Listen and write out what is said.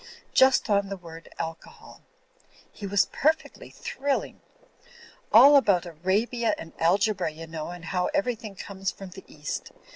Just on the word Alcohol. He was perfectly thrilling. All about Arabia and Algebra, you know, and how everything comes from the East.